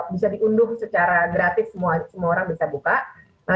bisa diunduh secara gratis semua orang bisa buka